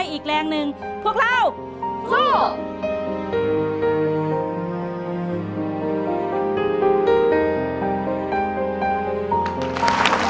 เปลี่ยนเพลงเพลงเก่งของคุณและข้ามผิดได้๑คำ